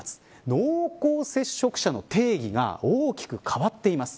濃厚接触者の定義が大きく変わっています。